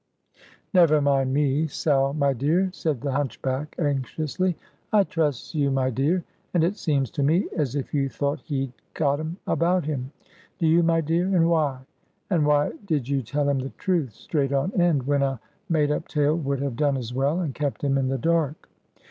"Never mind me, Sal, my dear," said the hunchback, anxiously. "I trusts you, my dear. And it seems to me as if you thought he'd got 'em about him. Do you, my dear, and why? And why did you tell him the truth, straight on end, when a made up tale would have done as well, and kept him in the dark?"